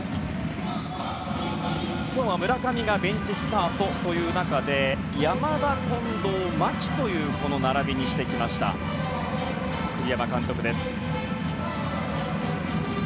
今日は村上がベンチスタートという中で山田、近藤、牧という並びにしてきた栗山監督です。